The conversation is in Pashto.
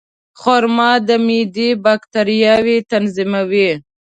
خرما د معدې باکتریاوې تنظیموي.